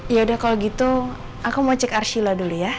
yaudah kalau gitu aku mau cek arshila dulu ya